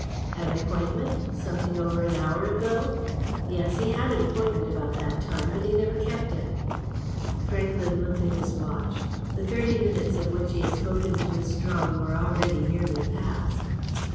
"An appointment? Something over an hour ago? Yes, he had an appointment about that time, but he never kept it." Franklyn looked at his watch. The thirty minutes of which he had spoken to Miss Strong were already nearly past.